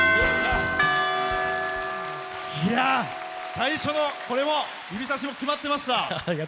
最初の指差しも決まってました。